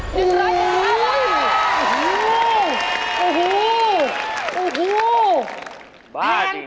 แพงบันแพงบันแพงบันแพงบัน